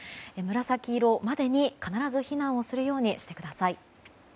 紫色までに必ず避難をするようにしてください。